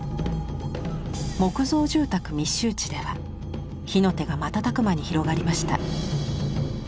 木造住宅密集地では火の手が瞬く間に広がりました。